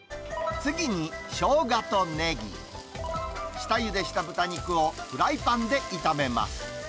次にショウガとネギ、下ゆでした豚肉をフライパンで炒めます。